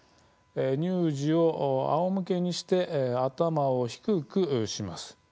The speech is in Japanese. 乳児をあおむけにして頭を低くします。